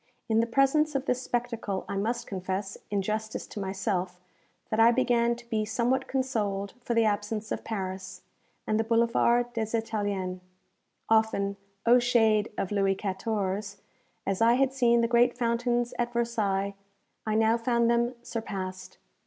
In the presence of this spectacle I must confess, in justice to myself, that I began to be somewhat consoled for the absence of Paris, and the Boulevard des Italiens. Often, O shade of Louis XIV.! as I had seen the great fountains at Versailles, I now found them surpassed.